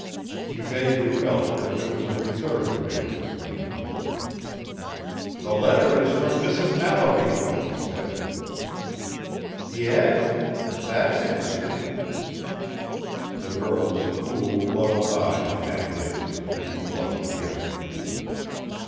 He vaguely felt that there was a reserved manner between them. "The letter is from Mrs. Mallaby," he said. "Yes? That is interesting." The girl's cool, level eyes met his, and he blushed again.